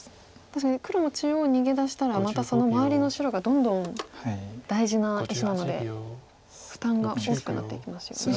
確かに黒も中央逃げ出したらまたその周りの白がどんどん大事な石なので負担が大きくなっていきますよね。